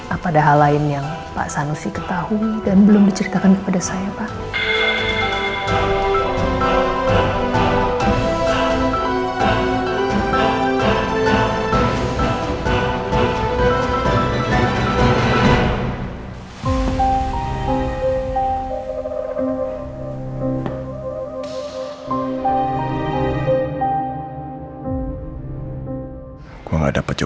apa ada hal lain yang pak sanusi ketahui dan belum diceritakan kepada saya pak